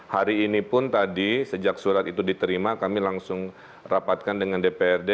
hari ini pun tadi sejak surat itu diterima kami langsung rapatkan dengan dprd